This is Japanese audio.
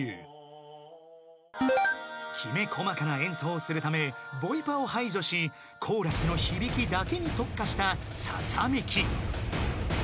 ［きめ細かな演奏をするためボイパを排除しコーラスの響きだけに特化したささめき］